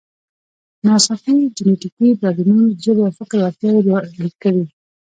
ناڅاپي جینټیکي بدلونونو د ژبې او فکر وړتیاوې لوړې کړې.